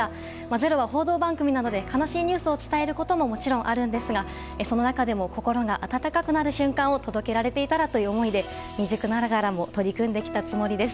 「ｚｅｒｏ」は報道番組なので悲しいニュースを伝えることももちろんあるんですがその中でも心が温かくなる瞬間を届けられていたらという思いで未熟ながらも取り組んできたつもりです。